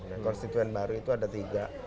nah konstituen baru itu ada tiga